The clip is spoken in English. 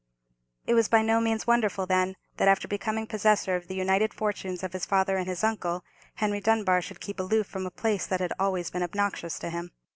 It was by no means wonderful, then, that, after becoming possessor of the united fortunes of his father and his uncle, Henry Dunbar should keep aloof from a place that had always been obnoxious to him.